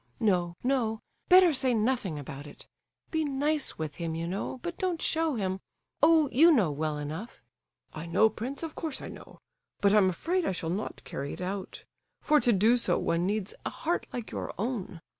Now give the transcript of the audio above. No, no! Better say nothing about it. Be nice with him, you know, but don't show him—oh, you know well enough—" "I know, prince, of course I know, but I'm afraid I shall not carry it out; for to do so one needs a heart like your own.